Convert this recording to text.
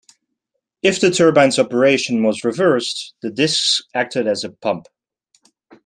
If the turbine's operation was reversed, the disks acted as a pump.